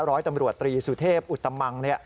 ร้อยตำรวจตรีสุเทพอุตมัง